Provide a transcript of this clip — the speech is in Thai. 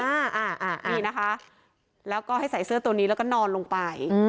อันนี้นะคะแล้วก็ให้ใส่เสื้อตัวนี้แล้วก็นอนลงไป